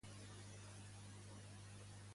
Què li va fer a Penteu, aquesta?